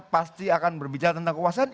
pasti akan berbicara tentang kekuasaan